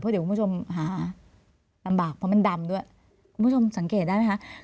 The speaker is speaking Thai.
เดี๋ยวคุณผู้ชมหาลำบากเพราะมันดำด้วยคุณผู้ชมสังเกตได้ไหมคะ